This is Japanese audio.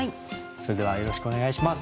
それではよろしくお願いします。